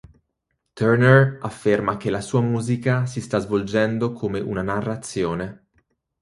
Turner afferma che la sua musica "si sta svolgendo come una narrazione".